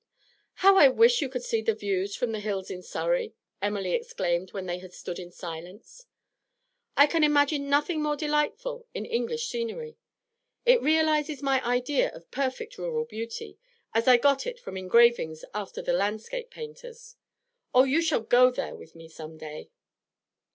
'How I wish you could see the views from the hills in Surrey!' Emily exclaimed when they had stood in silence. 'I can imagine nothing more delightful in English scenery. It realises my idea of perfect rural beauty, as I got it from engravings after the landscape painters. Oh, you shall go there with me some day.'